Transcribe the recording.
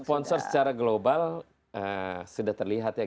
sponsor secara global sudah terlihat ya